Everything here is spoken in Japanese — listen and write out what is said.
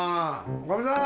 おかみさん。